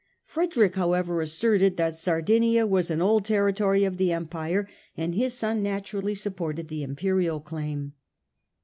Frederick, however, asserted that Sardinia was an old territory of the Empire, and his son naturally supported the Imperial claim.